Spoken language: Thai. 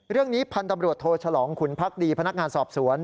เรื่องนี้พันธุ์ตำรวจโหลชลองคุณพรรคดีพนักงานสอบสวน